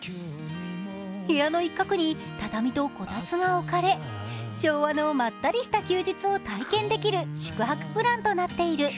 部屋の一角に畳と、こたつが置かれ昭和のまったりした休日を体験できる宿泊プランとなっている。